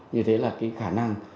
như thế là cái khả năng